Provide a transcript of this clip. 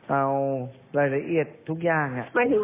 เอารายละเอียดทุกอย่าง